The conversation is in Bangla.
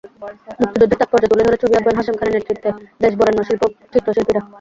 মুক্তিযুদ্ধের তাৎপর্য তুলে ধরে ছবি আঁকবেন হাশেম খানের নেতৃত্বে দেশবরেণ্য চিত্রশিল্পীরা।